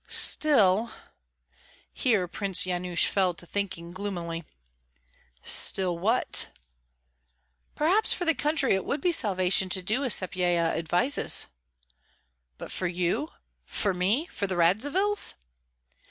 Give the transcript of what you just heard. "Still " Here Prince Yanush fell to thinking gloomily. "Still, what?" "Perhaps for the country it would be salvation to do as Sapyeha advises." "But for you, for me, for the Radzivills?"